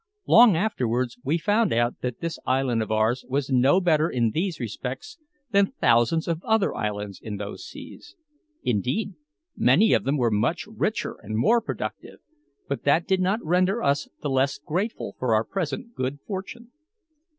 Long afterwards we found out that this island of ours was no better in these respects than thousands of other islands in those seas. Indeed, many of them were much richer and more productive; but that did not render us the less grateful for our present good fortune.